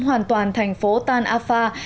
hoàn toàn thành phố tan afar